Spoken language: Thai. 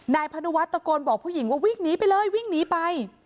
พนุวัฒนตะโกนบอกผู้หญิงว่าวิ่งหนีไปเลยวิ่งหนีไป